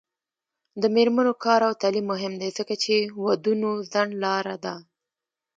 د میرمنو کار او تعلیم مهم دی ځکه چې ودونو ځنډ لاره ده.